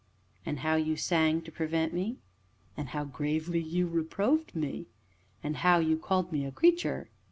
"And how you sang, to prevent me?" "And how gravely you reproved me?" "And how you called me a 'creature'?"